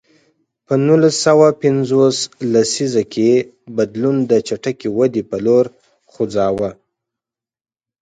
په نولس سوه پنځوس لسیزه کې بدلون د چټکې ودې په لور خوځاوه.